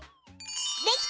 できた！